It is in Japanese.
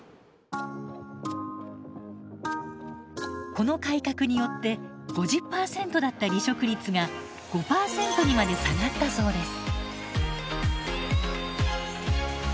この改革によって５０％だった離職率が５％にまで下がったそうです。